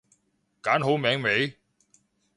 揀好名未？